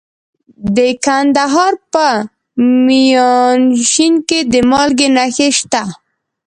د کندهار په میانشین کې د مالګې نښې شته.